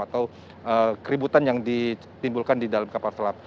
atau keributan yang ditimbulkan di dalam kapal selam